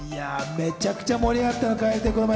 めちゃくちゃ盛り上がった。